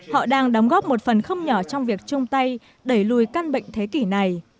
họ đang đóng góp một phần không nhỏ trong việc chung tay đẩy lùi căn bệnh thế kỷ này